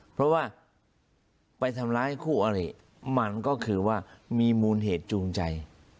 เพราะว่าไปทำร้ายคู่อริมันก็คือว่ามีมูลเหตุจูงใจ